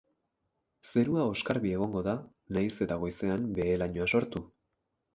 Zerua oskarbi egongo da, nahiz eta goizean behe-lainoa sortu.